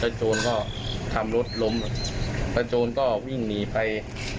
โจรก็ทำรถล้มแล้วโจรก็วิ่งหนีไป